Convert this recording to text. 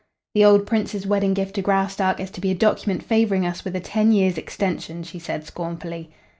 "The old Prince's wedding gift to Graustark is to be a document favoring us with a ten years' extension," she said, scornfully.